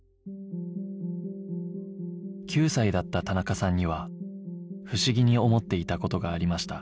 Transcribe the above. ９歳だった田中さんには不思議に思っていた事がありました